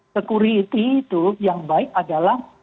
security itu yang baik adalah